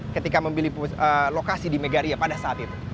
ketika memilih lokasi di megaria pada saat itu